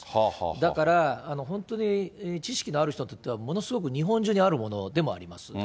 だから、本当に知識のある人には、ものすごく日本中にあるものであります。